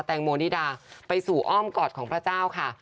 งโมนิดาไปสู่อ้อมกอดของพระเจ้าค่ะ